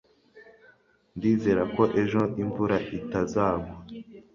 Ndizera ko ejo imvura itazagwa